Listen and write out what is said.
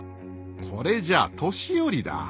これじゃ年寄りだ。